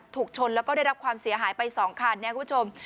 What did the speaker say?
ถูกชนแล้วก็ได้รับความเสียหายไป๒คันนะครับคุณผู้ชม